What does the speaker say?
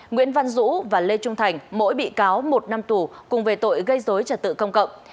nguyễn văn dũ và lê trung thành mỗi bị cáo một năm tù cùng về tội gây dối trật tự công cộng